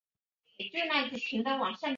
用数学归纳法。